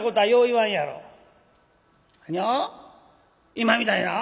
今みたいな？」。